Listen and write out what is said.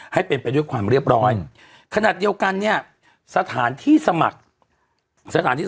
ให้เป็นไปด้วยความเรียบร้อยขนาดเดียวกันเนี่ยสถานที่สมัครสถานที่